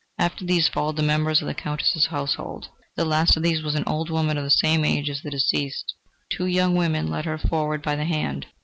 After these followed the members of the Countess's household. The last of these was an old woman of the same age as the deceased. Two young women led her forward by the hand.